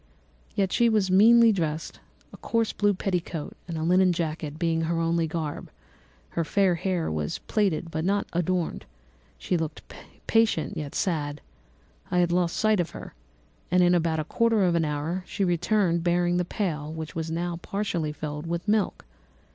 Yet she was meanly dressed, a coarse blue petticoat and a linen jacket being her only garb; her fair hair was plaited but not adorned: she looked patient yet sad. I lost sight of her, and in about a quarter of an hour she returned bearing the pail, which was now partly filled with milk.